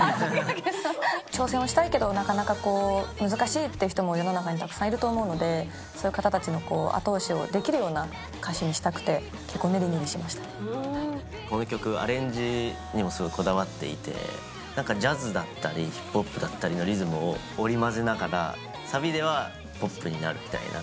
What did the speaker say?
挑戦をしたいけど、なかなか難しいっていう人も世の中にたくさんいると思うので、そういう方たちの後押しをできるような歌詞にしたくて、結構、この曲、アレンジにもすごいこだわっていて、なんかジャズだったり、ヒップホップだったりのリズムを織り交ぜながら、さびではポップになるみたいな。